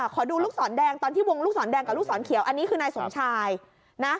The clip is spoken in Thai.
ขอดูลูกศรแดงตอนที่วงลูกศรแดงกับลูกศรเขียวอันนี้คือนายสมชายนะ